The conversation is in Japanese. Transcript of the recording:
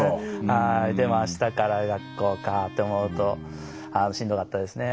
でも、あしたから学校かと思うとしんどかったですね。